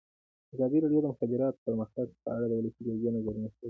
ازادي راډیو د د مخابراتو پرمختګ په اړه د ولسي جرګې نظرونه شریک کړي.